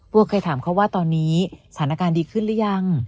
ถึงวันนี้สถานการณ์ดีขึ้นแล้วยัง